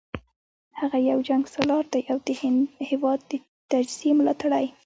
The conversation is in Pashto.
هغه یو جنګسالار دی او د هیواد د تجزیې ملاتړی